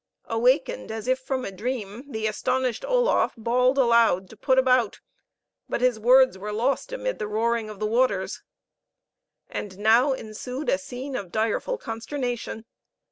Awakened as if from a dream, the astonished Oloffe bawled aloud to put about, but his words were lost amid the roaring of the waters. And now ensued a scene of direful consternation.